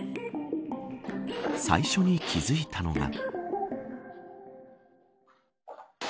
最初に気付いたのが。